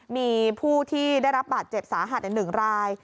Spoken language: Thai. มีผู้ที่ได้รับบาดเจ็บสาหัส๑ราย